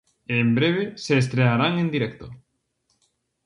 E en breve se estrearán en directo.